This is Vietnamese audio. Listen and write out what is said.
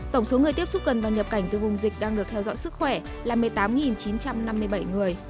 tổng số người tiếp xúc gần và nhập cảnh từ vùng dịch đang được theo dõi sức khỏe là một mươi tám chín trăm năm mươi bảy người